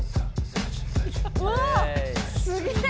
うわあすげえ！